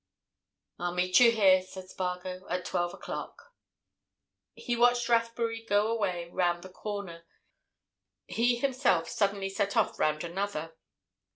"I'll meet you here," said Spargo, "at twelve o'clock." He watched Rathbury go away round one corner; he himself suddenly set off round another.